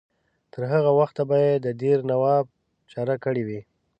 تر هغه وخته به یې د دیر نواب چاره کړې وي.